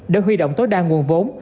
để huy động tối đa nguồn vốn